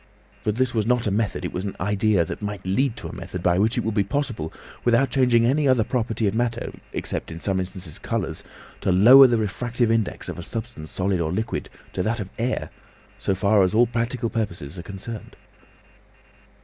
But this was not a method, it was an idea, that might lead to a method by which it would be possible, without changing any other property of matter—except, in some instances colours—to lower the refractive index of a substance, solid or liquid, to that of air—so far as all practical purposes are concerned."